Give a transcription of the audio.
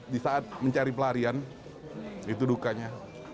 di saat mencari pelarian itu dukanya